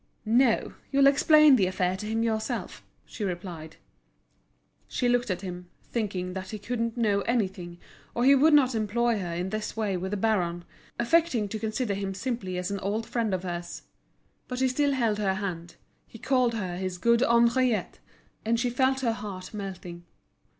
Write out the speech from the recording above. "No, you'll explain the affair to him yourself," she replied. She looked at him, thinking that he couldn't know anything or he would not employ her in this way with the baron, affecting to consider him simply as an old friend of hers. But he still held her hand, he called her his good Henriette, and she felt her heart melting.